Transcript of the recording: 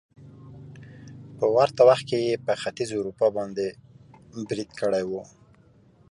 په ورته وخت کې يې په ختيځې اروپا باندې بريد کړی وو